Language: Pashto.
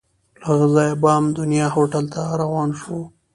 له هغه ځایه بام دنیا هوټل ته روان شوو.